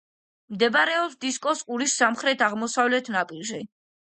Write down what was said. მდებარეობს დისკოს ყურის სამხრეთ-აღმოსავლეთ ნაპირზე.